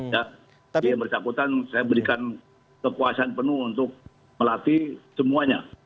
dia bersyakutan saya berikan kekuasaan penuh untuk melatih semuanya